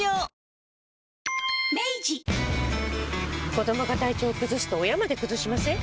子どもが体調崩すと親まで崩しません？